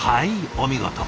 お見事。